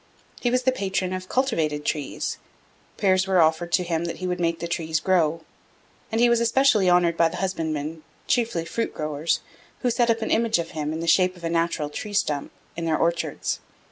He was the patron of cultivated trees: prayers were offered to him that he would make the trees grow; and he was especially honoured by husbandmen, chiefly fruit growers, who set up an image of him, in the shape of a natural tree stump, in their orchards.